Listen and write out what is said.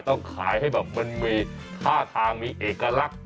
ต้องขายให้แบบมันมีท่าทางมีเอกลักษณ์